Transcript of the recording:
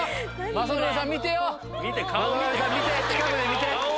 雅紀さん近くで見て！